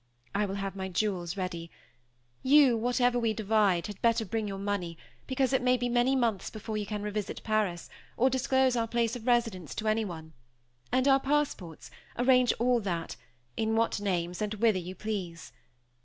I will have my jewels ready. You, whatever we divide, had better bring your money, because it may be many months before you can revisit Paris, or disclose our place of residence to anyone: and our passports arrange all that; in what names, and whither, you please.